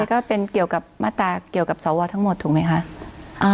ก็เป็นเกี่ยวกับมาตราเกี่ยวกับสวทั้งหมดถูกไหมคะ